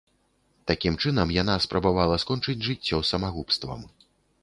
Такім чынам яна спрабавала скончыць жыццё самагубствам.